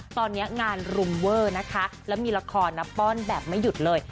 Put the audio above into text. ตอนนี้งานรุมเวอร์นะคะแล้วมีละครนะป้อนแบบไม่หยุดเลย